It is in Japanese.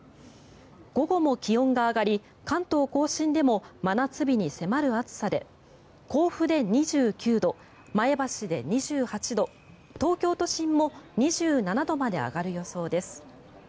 午後も気温が上がり関東・甲信でも真夏日に迫る暑さで甲府で２９度、前橋で２８度東京都心も２７度まで上がる予想です。